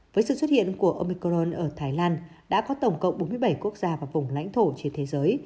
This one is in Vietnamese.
với sự xuất hiện của omicron ở thái lan đã có tổng cộng bốn mươi bảy quốc gia và vùng lãnh thổ trên thế giới